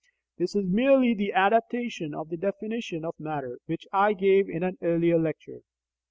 This is merely the adaptation of the definition of matter which I gave in an earlier lecture.